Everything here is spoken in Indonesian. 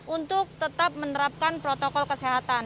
untuk tetap menerapkan protokol kesehatan